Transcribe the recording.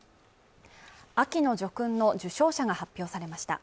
秋の叙勲の受章者が発表されました